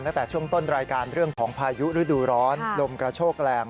ตั้งแต่ช่วงต้นรายการเรื่องของพายุฤดูร้อนลมกระโชกแรง